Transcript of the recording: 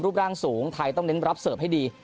ร่างสูงไทยต้องเน้นรับเสิร์ฟให้ดี